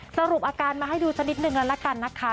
สรุปอาการมาให้ดูชนิดหนึ่งแล้วกันนะคะ